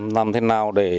làm thế nào để